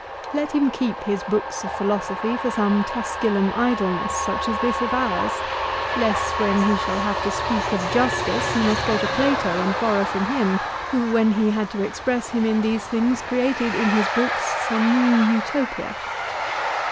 " Let him keep his books of philosophy for some Tusculum idleness such as is this of ours ; lest when he shall have to speak of justice he must go to Plato and borrow from him, who when he had to express him in these things created in his books some new Utopia."